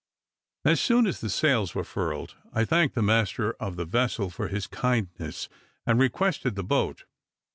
As soon as the sails were furled, I thanked the master of the vessel for his kindness, and requested the boat.